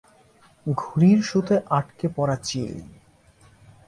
ঘুড়ির সুতোয় আটকে পড়া চিল।